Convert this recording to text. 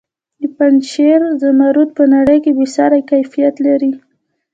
د پنجشیر زمرد په نړۍ کې بې ساري کیفیت لري.